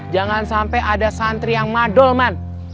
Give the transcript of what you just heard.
jangan sampai ada santri yang madul man